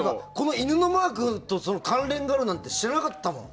犬のマークと関連があるなんて知らなかった。